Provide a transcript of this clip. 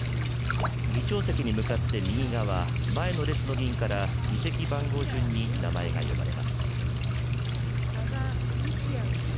議長席に向かって右側、前の列の議員から、議席番号順に名前が呼ばれます。